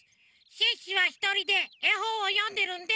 シュッシュはひとりでえほんをよんでるんで。